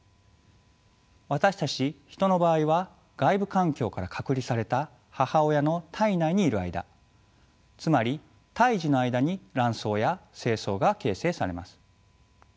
私たちヒトの場合は外部環境から隔離された母親の胎内にいる間つまり胎児の間に卵巣や精巣が形成されます。